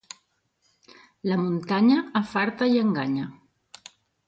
La muntanya afarta i enganya.